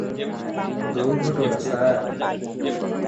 দূর্ঘটনা, স্যার!